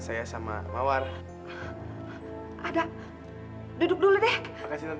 saya sama mawar ada duduk dulu deh makasih